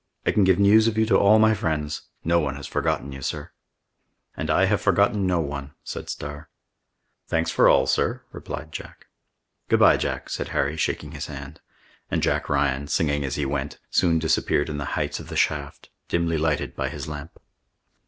I can give news of you to all my friends. No one has forgotten you, sir." "And I have forgotten no one," said Starr. "Thanks for all, sir," replied Jack. "Good by, Jack," said Harry, shaking his hand. And Jack Ryan, singing as he went, soon disappeared in the heights of the shaft, dimly lighted by his lamp.